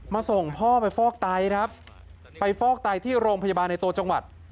ส่งพ่อไปฟอกไตครับไปฟอกไตที่โรงพยาบาลในตัวจังหวัด